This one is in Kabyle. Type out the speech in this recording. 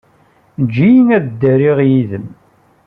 Eǧǧ-iyi ad ddariɣ yid-m.